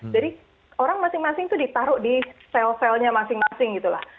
jadi orang masing masing itu ditaruh di sel selnya masing masing gitu lah